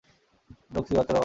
Roxie, বাচ্চার বাবা কে?